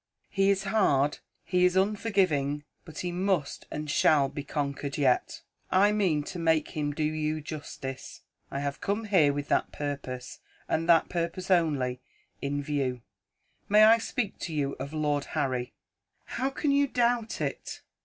He is hard, he is unforgiving; but he must, and shall, be conquered yet. I mean to make him do you justice; I have come here with that purpose, and that purpose only, in view. May I speak to you of Lord Harry?" "How can you doubt it!"